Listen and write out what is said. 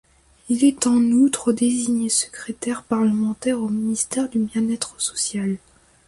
Il est en outre désigné secrétaire parlementaire au ministère du Bien-être social.